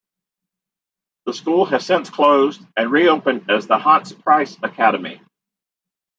The school has since closed and re-opened as the Hans Price Academy.